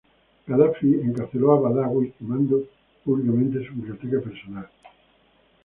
Gaddafi encarceló a Badawi, quemando públicamente su biblioteca personal.